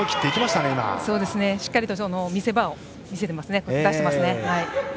しっかりと見せ場を出していますね。